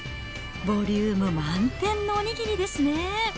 ボリューム満点のお握りですね。